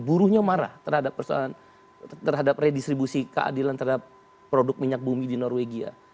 buruhnya marah terhadap redistribusi keadilan terhadap produk minyak bumi di norwegia